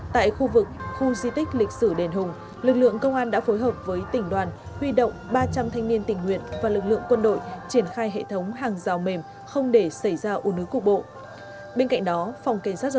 tại khu vực khu di tích lịch sử đền hùng lực lượng công an đã phối hợp với tỉnh đoàn huy động ba trăm linh thanh niên tình nguyện và lực lượng quân đội triển khai hệ thống hàng rào mềm không để xảy ra u nứ cục bộ